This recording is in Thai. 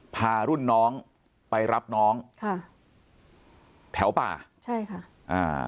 พารุ่นน้องไปรับน้องค่ะแถวป่าใช่ค่ะอ่า